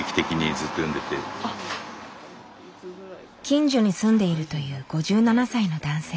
近所に住んでいるという５７歳の男性。